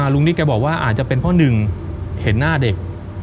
นิดแกบอกว่าอาจจะเป็นเพราะหนึ่งเห็นหน้าเด็ก